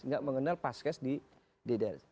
tidak mengenal paskes di ddrs